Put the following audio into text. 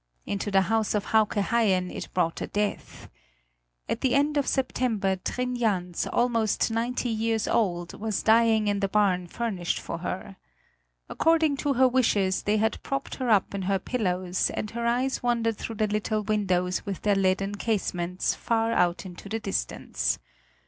Into the house of Hauke Haien it brought a death. At the end of September Trin Jans, almost ninety years old, was dying in the barn furnished for her. According to her wishes, they had propped her up in her pillows, and her eyes wandered through the little windows with their leaden casements far out into the distance.